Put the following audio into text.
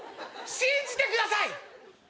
信じてください。